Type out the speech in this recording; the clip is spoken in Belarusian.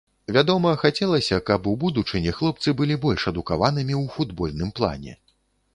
Вядома, хацелася, каб у будучыні хлопцы былі больш адукаванымі ў футбольным плане.